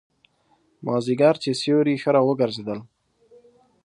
مازیګر چې سیوري ښه را وګرځېدل.